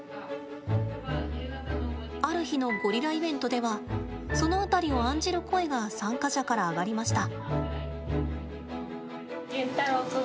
ある日のゴリライベントではその辺りを案じる声が参加者から上がりました。